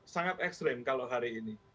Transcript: sangat ekstrim kalau hari ini